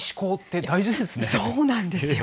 そうなんですよ。